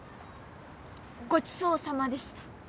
ごちそうさまでした。